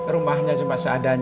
rumahnya cuma seadanya